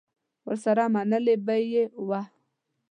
ورسره منلې به یې وه.